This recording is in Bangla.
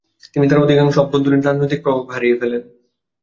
তিনি তার অধিকাংশ অভ্যন্তরীণ রাজনৈতিক প্রভাব হারিয়ে ফেলেন।